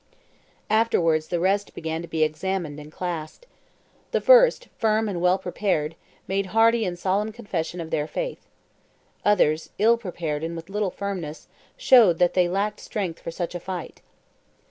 ... "Afterwards the rest began to be examined and classed. The first, firm and well prepared, made hearty and solemn confession of their faith. Others, ill prepared and with little firmness, showed that they lacked strength for such a fight.